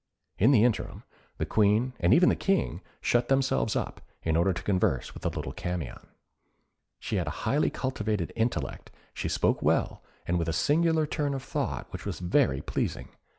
In the interim, the Queen, and even the King, shut themselves up, in order to converse with the little Camion. She had a highly cultivated intellect, she spoke well, and with a singular turn of thought which was very pleasing.